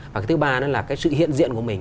và cái thứ ba nữa là cái sự hiện diện của mình